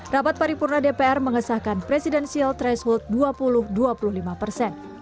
rapat paripurna dpr mengesahkan presidensial threshold dua puluh dua puluh lima persen